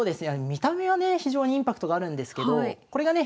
見た目はね非常にインパクトがあるんですけどこれがね